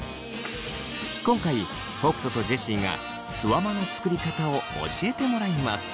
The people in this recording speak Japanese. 今回北斗とジェシーがすわまの作り方を教えてもらいます。